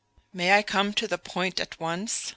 "May I come to the point at once?"